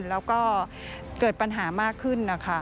แล้วก็เกิดปัญหามากขึ้นนะคะ